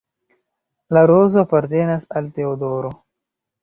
La rozo apartenas al Teodoro.